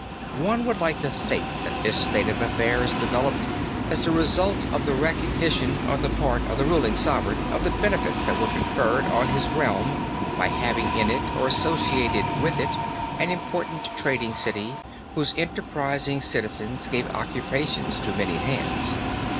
One would like to think that this state of affairs developed as the result of the recognition on the part of the ruling sovereign, of the benefits that were conferred on his realm by having in it, or associated with it, an important trading city whose enterprising citizens gave occupation to many hands.